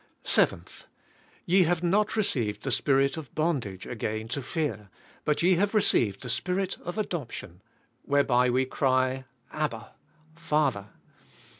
7. ^' Ye have not received the spirit of bondage ag ain to fear, but ye have received the spirit of adoption whereby we cry Abba, Father."